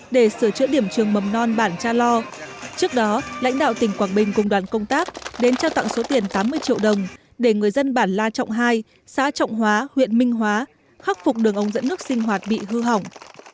để sửa chữa điểm trường mầm non bản cha lo trước đó lãnh đạo tỉnh quảng bình cùng đoàn công tác đến trao tặng số tiền tám mươi triệu đồng để người dân bản la trọng hai xã trọng hóa huyện minh hóa khắc phục đường ống dẫn nước sinh hoạt bị hư hỏng